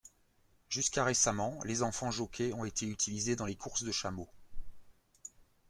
Jusqu'à récemment, les enfants jockeys ont été utilisés dans les courses de chameaux.